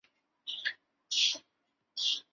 后屡试不第。